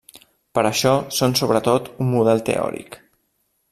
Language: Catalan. Per això, són sobretot un model teòric.